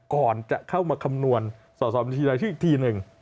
ก่อนจะเข้ามาคำนวณสอบบัญชีรายชื่ออีกทีหนึ่ง